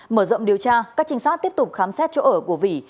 mở rộng điều tra các trinh sát tiếp tục khám xét chỗ ở của vỉ